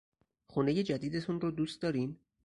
خونهی جدیدتون رو دوست دارین؟